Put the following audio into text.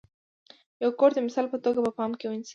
یو کوټ د مثال په توګه په پام کې ونیسئ.